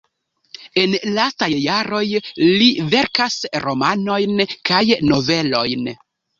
En lastaj jaroj li verkas romanojn kaj novelojn.